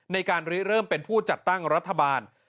ในการเริ่มเป็นผู้จัดตั้งรัฐบาล